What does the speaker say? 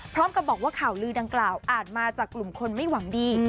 พร้อมกับบอกว่าข่าวลือดังกล่าวอาจมาจากกลุ่มคนไม่หวังดี